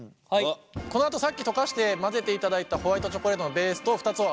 このあとさっき溶かして混ぜていただいたホワイトチョコレートのベースと２つを合わせればもう完成です。